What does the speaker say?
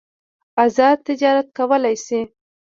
ازاد تجارت کولای شي.